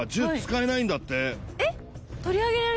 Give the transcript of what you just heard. えっ